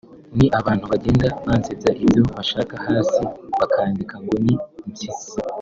ni abantu bagenda bansebya ibyo bashaka hasi bakandika ngo ni Mpyisi